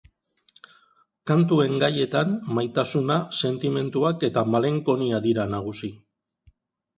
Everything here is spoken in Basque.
Kantuen gaietan maitasuna, sentimenduak eta malenkonia dira nagusi.